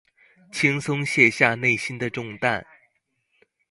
輕鬆卸下內心的重擔